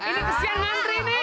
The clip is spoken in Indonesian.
ini kesian mantri ini